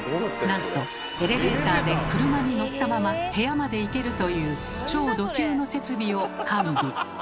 なんとエレベーターで車に乗ったまま部屋まで行けるという超ド級の設備を完備。